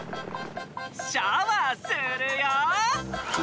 シャワーするよ！